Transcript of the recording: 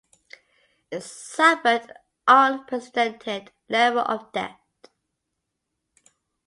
It suffered an unprecedented level of debt.